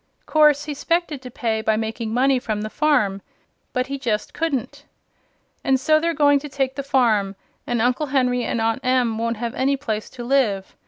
Course he 'spected to pay by making money from the farm; but he just couldn't. An' so they're going to take the farm, and Uncle Henry and Aunt Em won't have any place to live.